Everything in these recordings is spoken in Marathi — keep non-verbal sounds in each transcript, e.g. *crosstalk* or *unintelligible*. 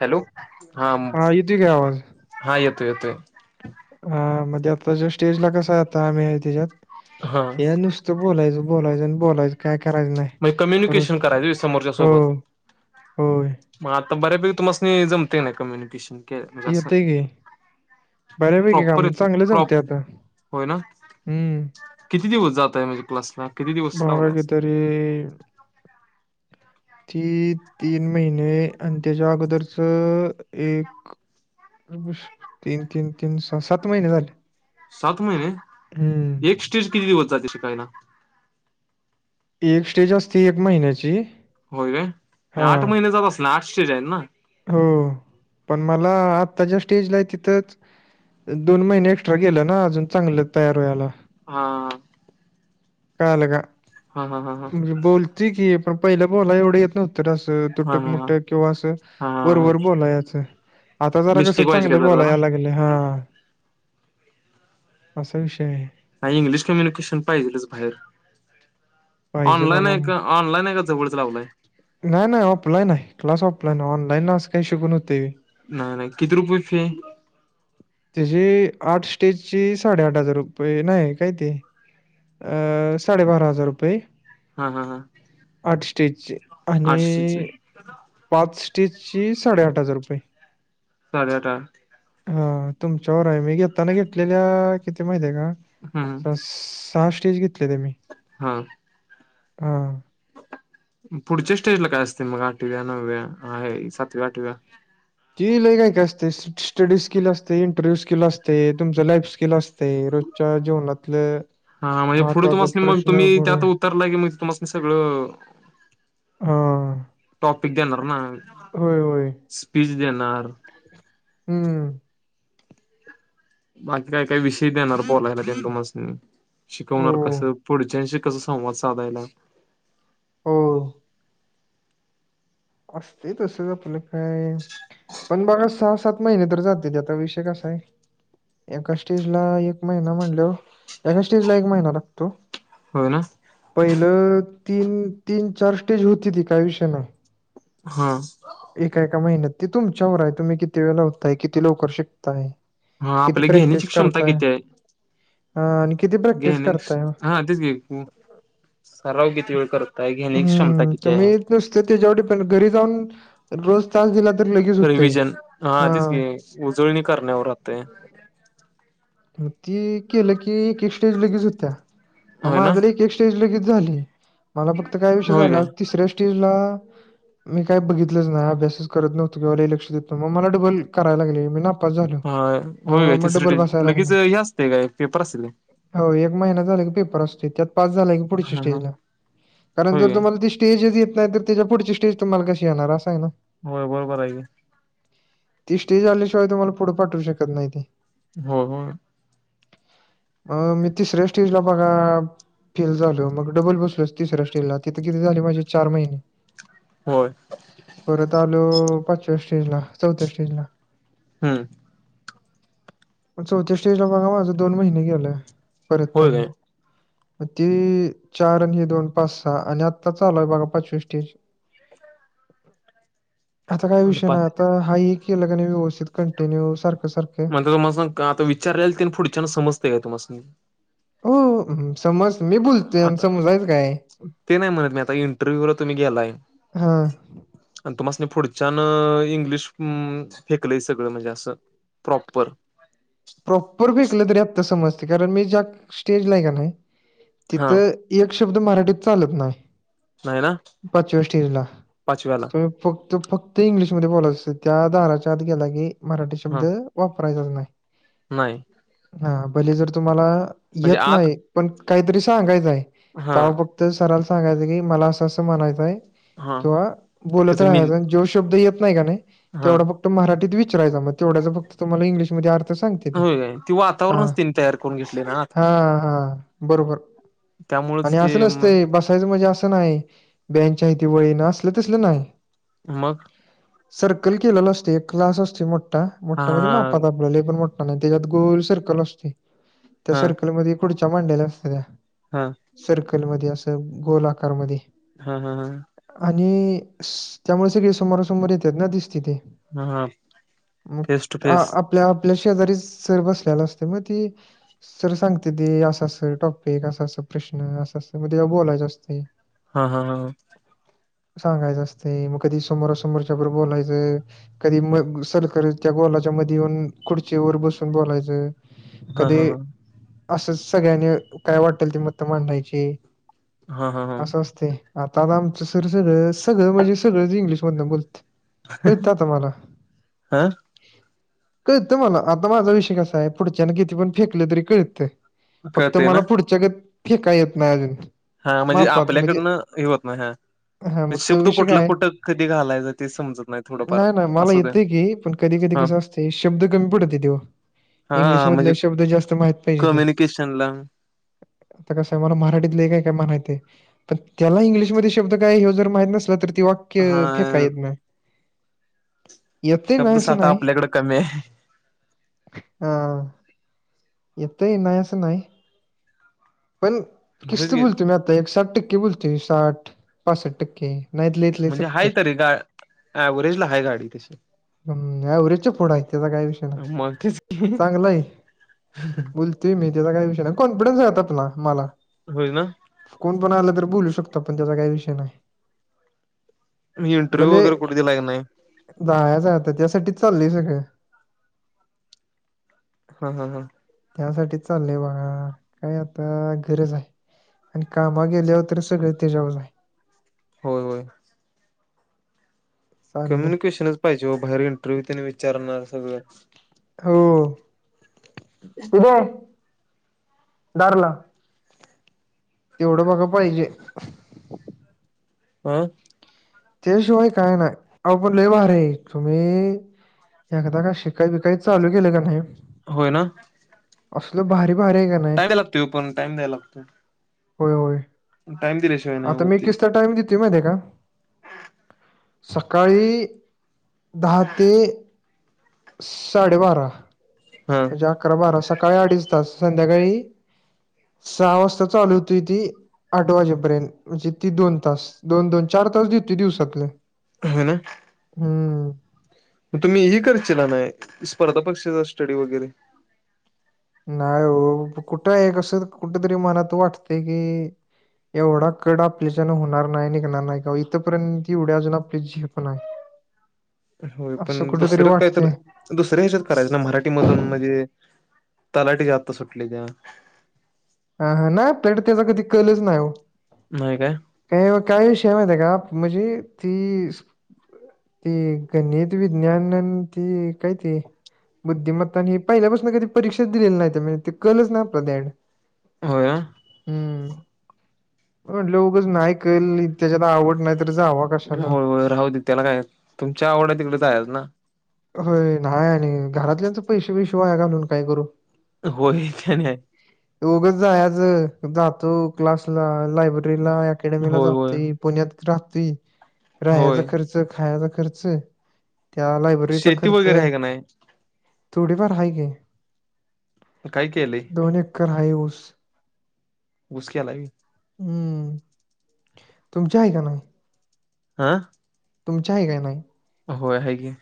हॅलो, हा येतोय काय आवाज? हा येतोय येतोय. हा म्हणजे आताच्या स्टेजला कसाय आम्ही त्याच्यात, हा हे नुस त बोलायच बोलायच बलायच काय करायच नाही. म्हणजे रोज कम्युनिकेशन करायच व्हय समोरच्या सोबत. हो होय मग आता बऱ्यापैकी तुमासनी जमते ना कम्युनिकेशन के म्हणजे अस. येतंय की बऱ्यापैकी प्रॉपर काम येते. चांगलं प्रॉप जमतंय आता होय ना. हम्म. किती दिवस जातय म्हणजे क्लासला. किती दिवस भावा लावलाय ते तरी ती तीन महिने आणि त्याच्या अगोदरच एक तीन तीन तीन, सात महिने झाले. सात महिने. हम्म. एक स्टेज किती दिवस जाते शिकायला. एक स्टेज असते एक महिन्याची. होय काय. आठ हां. महिन्याचाच असणार आठ स्टेज आहेत ना. हो, पण मला आता ज्या स्टेजला आहे तिथच दोन महीन एक्स्ट्रा गेल ना अजून चांगल तयार व्हायला. हा कळाल का? हा हा हा हा बोलते की. पण पहिल बोलायला एवढ येत नव्हत रे अस हा तुटक हा मुटक किंवा अस हा वरवर बोलायच. आता जरा कस मिस्टेक व्हायची का चांगल जरा बोला जरा या लागल. हा असा विषय आहे. नाही इंग्लिश कम्युनिकेशन पाहिजेलच बाहेर. पाहिजे ऑनलाइन बघा आहे मग का. ऑनलाईन आहे का जवळच लावला आहे. नाही नाही ऑफलाईन आहे. क्लास ऑफलाईन आहे. ऑनलाईन अस काही शिकून होते. नाही नाही, किती रुपये फी आहे. त्याची आठ स्टेजची साडेआठ हजार रुपये नाही काय ते. अं साडे बारा हजार रुपये हा हा हा आठ स्टेजचे. आणि *unintelligible* पाच स्टेजचे साडेआठ हजार रुपये. साडेआठ ह हा तुमच्यावर हाय, मी घेताना घेतलेल्या किती माहिती आहे का? हम्म स सहा सहाशेच घेतलेल्या मी हा. हां. पुढच्या स्टेजला काय असतय मग, आठव्या नव्या, हाय सातव्या, आठव्या ती लय काय, काय असतय स्टडी स्किल असतय, इंटरव्ह्यू स्किल असतय, तुमच लाईफ स्किल असत ते रोजच्या जीवनातलं हा म्हणजे पुढे महत्त्वाचा तुम्हासनी मग प्रश्न तुम्ही पुढं त्यात उतरला की मग तुम्हास्नी सगळं हां. टॉपिक देणार ना, होय, होय. स्पीच देणार हम् आणि काय काय विषय देणार बोलायला त्येनं तुम्हास्नी, हो, शिकवणार कसं पुढच्याशी कस संवाद साधायलाय हो असतय तसंच आपलं काय पण बघा सहा सात महिने तर जात्येती आता विषय कसा हाय एका स्टेजला एक महिना म्हणल्याव, एका स्टेजला एक महिना लागतो. होय ना. पहिलं तीन, तीन चार स्टेज हुत्याती काय विषय नाय हा. एका एका महिन्यात ती तुमच्यावर हाय, तुम्ही किती वेळा लावताय किती लवकर शिकताय हा किती आपल घेण्याची प्रॅक्टिस क्षमता करताय किती हाय अ, आणि किती प्रॅक्टिस घेण्याक्स करताय हा तेच की साराव किती वेळ कर हम्म तुमी नुसत तेज्याव डिपेंड घरी जाऊन रोज तास दिला तर लगेच होतय, रिव्हजन हा तेच की उजळणी करण्यावर राहतय ती केलं की एक एक स्टेज लगेच हुत्या, अ होय ना माझ एक एक स्टेज लगेच झाली, मला फक्त काय विषय झाला? तिसऱ्या स्टेजला मी काय बघितलंच नाही अभ्यासच करत नव्हतो किंवा लय लक्ष देत नव्हतो मग मला डबल कराय लागली मी ना नापास झालो होय होय म काय म डबल तिसरी ब लगेच हे असतय काय, पेपर असत्यात काय? होय एक महिना झाला की पेपर असतोय, त्यात पास झाल की काय पुढची हा हा स्टेजला कारण होय जर काय तुम्हाला ती स् स्टेजच येत नाही तर त्याच्या पुढची स्टेज तुम्हाला कशी येणार अस हाय ना व्हय बरोबर हाय की. ती स्टेज आल्याशिवाय तुम्हाला पुढ पाठवू शकत नाहीती होय होय. अ मी तिसऱ्या स्टेजला बघा फेल झालो मग डबल बसलो तिसऱ्या स्टेज ला तिथं किती झाले माझे चार महिने होय. परत आलो पाचव्या स्टेजला, चौथ्या स्टेजला हम्. मग चौथ्या स्टेज ला बघा माझं दोन महिने गेल, परत होय आणि काय म ते चार आणि हे दोन पाच, सहा आणि आत्ता चालू हाय बघा पाचवी स्टेज. *unintelligible* आता काय विषय नाही मग आता हाय हे केल कनी व्यवस्थित कंटिन्यू सारखं, सारखं तुम्हाला सांगू का आता विचारलेलं तेन पुढच्यांना समजतेय का तुम्हास्नी? हो हम्म. समज म आता ते नाही म्हणत मी आता इंटरव्ह्यू व तुम्ही गेलाय हा. आणि तुम्हासणी पुढच्यान इंग्लिश उम्म फेकलय सगळं म्हणजे असं प्रॉपर. प्रॉपर फेकलं तरी आत्ता समजते कारण मी ज्या स्टेजला हाय का नाय हा तिथं एक शब्द मराठीत चालत नाही पाचव्या स्टेजला पाचव्याला तू फक्त फक्त इंग्लिशमध्ये बोलायच त्या दाराच्या आत गेला की मराठी हा शब्द वापरायचाच नाय. नाही. हा भले जर तुम्हाला म्हणजे येत आत नाही पण काहीतरी सांगायचंय आहे हा ताव फक्त सराला सांगायचं की मला असं असं म्हणायच आहे. हा किंवा बोलत त्याच मेन राहाच जो शब्द येत नाय की नाही हा तेवढा फक्त मराठीत विचारायचा मग तेवढ्याचा फक्त तुम्हाला इंग्लिशमध्ये अर्थ सांग ती होय काय ते वातावरणच हा- त्यांनी तयार करून घेतले ना आता हा -हा. बरोबर त्यामुळेच आणि असं ते म नसतय बसायचं म्हणजे असं नाही बाईंच्या इथं वळीन असलं तसलं नाय. मग? सर्कल केलेलं असतोय एक क्लास असतोय मोठा- हा मोठा म्हणजे मापात आपल्या पण मोठा नाय त्याच्यात गोल सर्कल असतोय त्या हा सर्कलमध्ये इकुदच्या मांडल्या असत्या. हा. सर्कलमध्ये असं गोल आकारमध्ये हा- हा- हा. आणि त्यामुळे सगळे समोरासमोर येतात ना दिसत ती. हा हा मग फेस टू फेस आपल्या आपल्या शेजारी सर बसलेल्या असतय म ती सर सांगत्याती असं असं टॉपिक असा अस प्रश्न अस -अस म तेव्हा बोलायचं असतय. हा - हा - हा. सांगायचं असतय म कधी समोरासमोरच्या ग्रुप बोलायचं. कधी म सर्कल त्या गोलाच्या मध्ये येऊन खुर्चीवर बसून बोलायचं हा हा कधी हा असंच सगळ्यांनी काय वाटेल ते मत मांडायची. हा हा हा हा अस ते आता आमचं सर सगळं- सगळं म्हणजे सगळं इंग्लिश मधन बोलतय. *inaudible* हा. कळत मला आता माझा विषय कसा आहे पुढच्यान किती पण फेकलं तरी कळत. फक्त कळतय ना मला पुढच्या गत फेकाया येत नाय. *unintelligible* हा म्हणजे आपल्याकडनं हे होत नाही हा. हा मग तो शब्द विषय कुठला काय कुठं कधी घालायचं ते समजत नाही थोडंफार नाही ना मला असूद्या. येतंय की पण कधी- कधी कस असतय शब्द कमी पडतातीओ व इंग्लिश हा मधल म्हणजे शब्द जास्त माहीत पाहिजेती. कम्युनिकेशनला आता कस हाय मला मराठीतले काय- काय माहित आहे. पण त्याला इंग्लिशमध्ये शब्द काय हे जर माहित नसल तर ते हा वाक्य फेका येत नाय. शब्द नाही असं साठा नाही आपल्याकडं कमी हाय. हा. येतय नाय असं नाय पण होच किस्त घे बोलतुय मी आता एक साठ टक्के बोलतोय साठ-पासष्ट टक्के. नाहीतले इथले म्हणजे हाय सत्तर तरी गा आव्हरेज ला हाय गाडी तशी. हम्म अव्हेरजच्या पुढं आहे त्याचा काही विषय नाही मग तेच चांगला आहे. *unintelligible* बोलतोय मी त्याचा काही विषय नाही कॉन्फिडन्स आहे आपला मला. होय ना. कोण पण आलं तर बोलू शकतो आपण त्याचा काही विषय नाही. इंटरव्यू भले वगैर कुठ दिला का नाही? जायचं आहे आता त्यासाठीच चालय सगळं. हा हा हा. त्यासाठीच चाललंय बाळा काय आता गरज आहे. कामावर गेल्यावर तर सगळे तेजावरच आहे. होय होय चाललंय कम्युनिकेशनच पाहिजे हो बाहेर इंटरव्ह्यू तेन विचारणार सगळं. हो उदय दार लाव. तेवढं बघ पाहिजे. आं त्याशिवाय काय नाही आव पण लय भारी आहे तुम्ही. एकदा का शिकाई बिकाई चालू केलं का नाही? होय ना. असल भारी भारी आहे काय नाही. टाईम द्या लागतोय पण टाईम द्या लागतोय. होय होय दिल्याशिवाय नाही आता होत मी ते किस्त टाइम देतोय माहिती का? सकाळी दहा ते साडेबारा. हा म्हणजे अकरा बारा सकाळी अडीच तास. संध्याकाळी सहा वाजता चालू होती ती आठ वाजेपर्यंत म्हणजे ती दोन तास दोन- दोन चार तास देतोय दिवसाातले. ह ना. हम्म. मग तुम्ही हे करचेला नाही स्पर्धा परीक्षेचा स्टडी वगैरे. नाय ओ कुठं आहे कसं कुठ तरी मनात वाटते की? एवढा कड आपल्या च्यान होणार नाही. निघणार नाही का इथपर्यंत एवढ्या अजून आपली झेप नाही. होय पण असं कुठेतरी दुसरं काय तर वाटतंय दुसऱ्या ह्याच्यातना मराठीमधून म्हणजे तलाठीच्या आता सुटल्या त्या. अ ह नाही आपल्याकड त्याचा कधी कलच नाही ओ. नाही काय? काही काही विषय माहीतीय का म्हजे ती ती गणित, विज्ञान आणि ते काय ती बुद्धिमत्ता नी हे पहिल्यापासून कधी परीक्षाच दिलेली नाही म्हण ते कलच ना आपल्या त्याकडं. होय हम्म म्हटलं उगंच नाही कल त्याच्यात आवड नाही तर जावा कशाला होय होय राहूदे त्याला काय तुमच्या आवडं तिकडे जायच ना. होय होय नाही आणि घरातल्यांच पैसे बिश वाया घालवून काय करू? होय की नाही? उगाच जायाचं. जातो क्लासला लायब्ररी- अकॅडमीला होय होय जातोय. पुण्यात राहतोय. राह्याचा होय खर्च- -र्च. खायाचा खर्च. त्या लायब्ररीचा शेती खर्च वगैरे आहे. का नाही थोडीफार हाय की. काय केलंय दोन एक्कर हाय ऊस. ऊस केलाय. हम्म. तुमची आहे का नाही? आ? तुमची आहे का नाही? होय आहे की.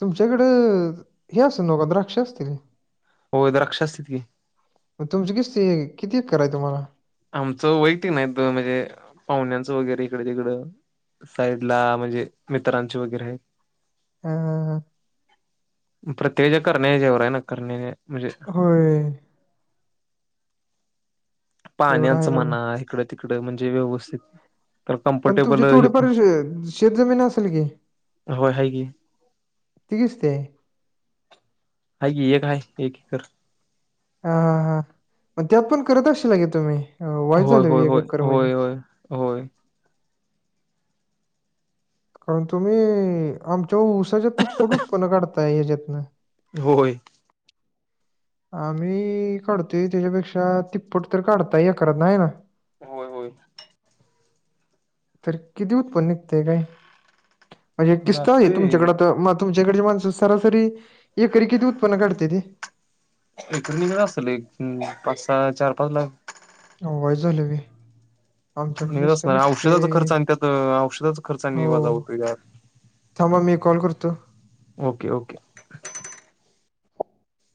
तुमच्याकडं हे असंल बाबा द्राक्ष असतील? होय. द्राक्ष असतात कि. मग तुमची किस्ती किती एकर हाय तुम्हाला? आमचं वैयक्तिक नाही. म्हणजे पाहुण्यांचं वगैरे इकड तिकडं. साईडला म्हणजे मित्रांची वगैरे आहे. हं. प्रत्येकच्या करण्या हेच्यावर आहे ना? करण्याने म्हणजे- होय. एवढं आहे पाण्याचं बघा म्हणा इकडं तिकडं म्हणजे व्यवस्थित. तर पण कम्फर्टेबल तुझी हे थोडीफार शे शेत जमीन असेल की? होय हाय की तिच ते. हाय की. एक हाय एक एकर. हा. हा. हा. मग त्यात पण करत अशिलाकि तुम्ही? वाईज होय, झाल होय, एक होय, एकर होय, म्हणजे. होय, होय. कारण तुम्ही आमच्या उऊसाच्या तिप्पट उत्त्पन्न काढताय हेच्यातनं. होय. आम्ही काढतोय त्याच्यापेक्षा तिप्पट तर काढताय एकरातन आहे ना? होय. होय. तर किती उत्पन्न निघतय काय? म्हणजे किस्त आहे जातंय तुमच्याकडे तर म- तुमच्याकडे माणस सरासरी एकरी किती उत्पन्न काढत्याती? एकर निघत असल एक अं एक पाच सहा चार पाच लाख. वायस झाली की. निघत असणार. औषधाचा खर्च आणि त्यात आणि औषधं खर्च वजा हो होतोया. थांबा मी कॉल करतो. ओके. ओके.